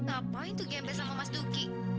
apa itu gembes sama mas duki